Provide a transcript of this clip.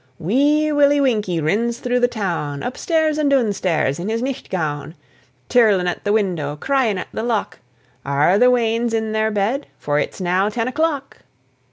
Wee Willie Winkie rins through the town, Up stairs and doon stairs, in his nicht gown, Tirlin' at the window, cryin' at the lock, "Are the weans in their bed? for it's now ten o'clock."